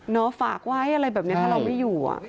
ฝากไว้อะไรแบบนี้ถ้าเราไม่อยู่